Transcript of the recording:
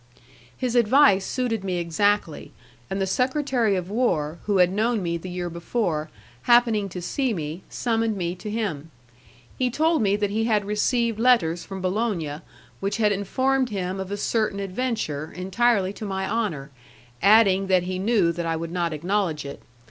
His advice suited me exactly, and the secretary of war, who had known me the year before, happening to see me, summoned me to him. He told me that he had received letters from Bologna which had informed him of a certain adventure entirely to my honour, adding that he knew that I would not acknowledge it.